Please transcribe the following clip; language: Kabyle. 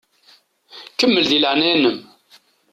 Kemmel di leɛnaya-m!